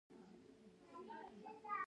هګۍ ساده خو مغذي خواړه دي.